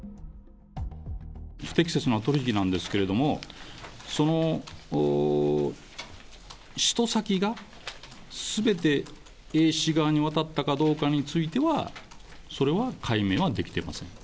不適切な取り引きなんですけれども、その使途先が、すべてＡ氏側に渡ったかどうかについては、それは解明はできてません。